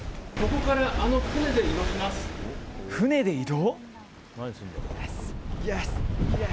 船で移動？